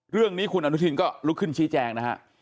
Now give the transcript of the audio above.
เรื่องนี้คุณอนุทินก็ลุกขึ้นชี้แจงนะฮะ